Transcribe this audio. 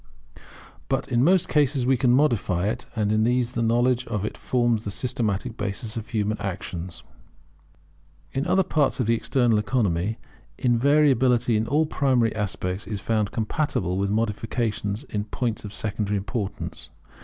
[But in most cases we can modify it; and in these the knowledge of it forms the systematic basis of human action] In other parts of the external economy, invariability in all primary aspects is found compatible with modifications in points of secondary importance.